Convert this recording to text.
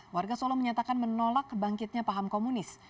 warga solo menyatakan menolak bangkitnya paham komunis